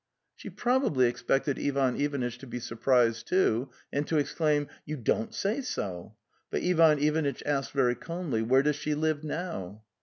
She probably expected Ivan Ivanitch to be sur prised, too, and to exclaim: '' You don't say so," but Ivan Ivanitch asked very calmly: "Where does she live now?"